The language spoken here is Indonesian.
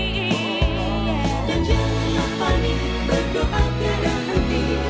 dan jangan panik berdoa tidak henti